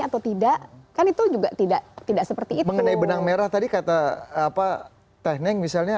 atau tidak kan itu juga tidak tidak seperti itu mengenai benang merah tadi kata apa teknik misalnya